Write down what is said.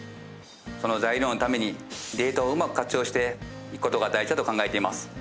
その材料のためにデータをうまく活用していく事が大事だと考えています。